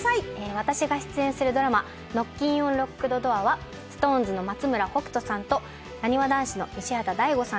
私が出演するドラマ『ノッキンオン・ロックドドア』はＳｉｘＴＯＮＥＳの松村北斗さんとなにわ男子の西畑大吾さん